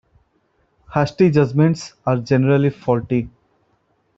Hasty judgements are generally faulty.